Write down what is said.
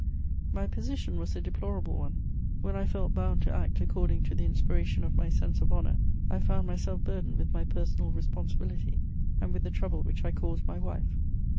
My position was a deplorable one: when I felt bound to act according to the inspiration of my sense of honour, I found myself burdened with my personal responsibility and with the trouble which I caused my wife.